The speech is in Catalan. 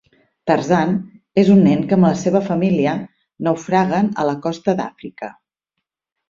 Tarzan és un nen que amb la seva família naufraguen a la costa d'Àfrica.